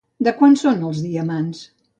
De quant són els diamants?